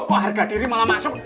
kok harga diri malah masuk